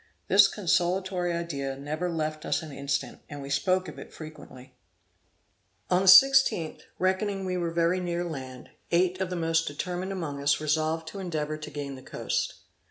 This consolatory idea never left us an instant, and we spoke of it frequently. On the 16th, reckoning we were very near land, eight of the most determined among us resolved to endeavor to gain the coast.